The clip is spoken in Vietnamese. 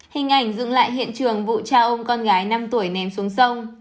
hình ảnh dựng lại hiện trường vụ cha ông con gái năm tuổi ném xuống sông